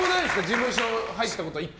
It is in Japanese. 事務所入ったことは。